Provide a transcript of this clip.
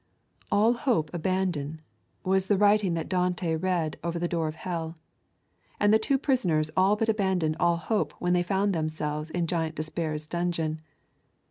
'All hope abandon' was the writing that Dante read over the door of hell. And the two prisoners all but abandoned all hope when they found themselves in Giant Despair's dungeon.